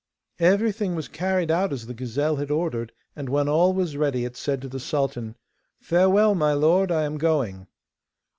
Everything was carried out as the gazelle had ordered, and when all was ready it said to the sultan: 'Farewell, my lord, I am going.